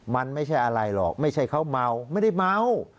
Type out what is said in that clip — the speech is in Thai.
มันไม่ใช่อะไรหรอกไม่ใช่เขาเมาไม่ได้เมา